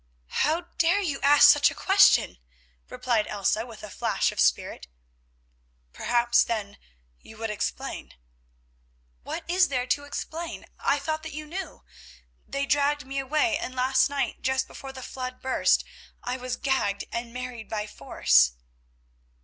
"How dare you ask such a question?" replied Elsa with a flash of spirit. "Perhaps, then, you would explain?" "What is there to explain? I thought that you knew. They dragged me away, and last night, just before the flood burst, I was gagged and married by force."